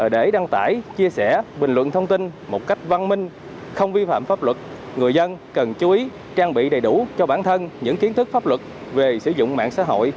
để đăng tải chia sẻ bình luận thông tin một cách văn minh không vi phạm pháp luật người dân cần chú ý trang bị đầy đủ cho bản thân những kiến thức pháp luật về sử dụng mạng xã hội